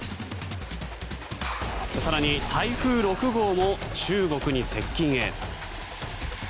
更に台風６号も中国に接近へ。